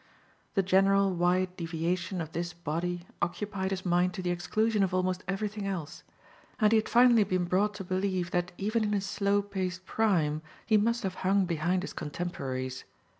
The general wide deviation of this body occupied his mind to the exclusion of almost everything else, and he had finally been brought to believe that even in his slow paced prime he must have hung behind his contemporaries.